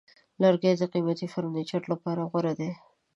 لرګی د قیمتي فرنیچر لپاره غوره دی.